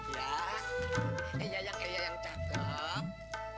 ya ya yang cakep